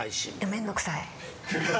めんどくさい。